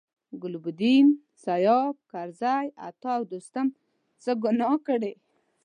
ګلبدین، سیاف، کرزي، عطا او دوستم څه ګناه کړې.